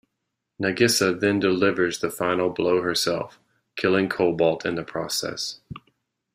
Nagisa then delivers the final blow herself, killing Cobalt in the process.